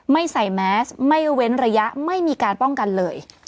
ไม่ใส่แมสไม่เว้นระยะไม่มีการป้องกันเลย